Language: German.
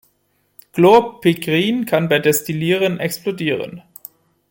Chlorpikrin kann bei Destillieren explodieren.